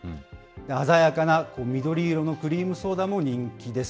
鮮やかな緑色のクリームソーダも人気です。